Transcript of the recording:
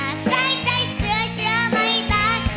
อาศัยใจเผื่อเชื่อไม่ตาย